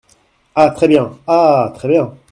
Ah ! très bien ! ah ! très bien !